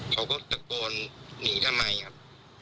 เขาก็ตะโกนหนีทำไมครับ